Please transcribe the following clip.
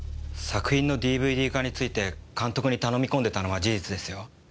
作品のＤＶＤ化について監督に頼み込んでたのは事実ですよ。